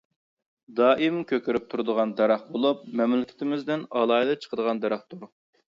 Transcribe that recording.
دائىم كۆكىرىپ تۇرىدىغان دەرەخ بولۇپ، مەملىكىتىمىزدىن ئالاھىدە چىقىدىغان دەرەختۇر.